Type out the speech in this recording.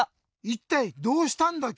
いったいどうしたんだ？